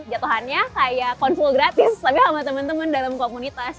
jatuhannya kayak konflik gratis tapi sama temen temen dalam komunitas